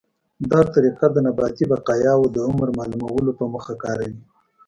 دا طریقه د نباتي بقایاوو د عمر معلومولو په موخه کاروي.